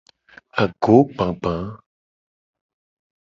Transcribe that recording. Agogbagba.